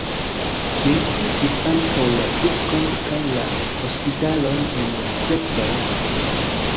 Li ricevis ankaŭ la kirkon kaj la hospitalon en la sekva jaro.